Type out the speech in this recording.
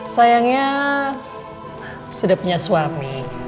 sayangnya sudah punya suami